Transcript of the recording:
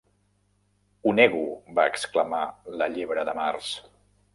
"Ho nego!", va exclamar la Llebre de Març.